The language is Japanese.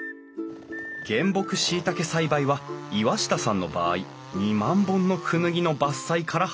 原木しいたけ栽培は岩下さんの場合２万本のクヌギの伐採から始まる。